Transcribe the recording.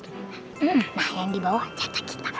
nah yang dibawa cata kita